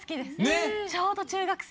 ちょうど中学生で。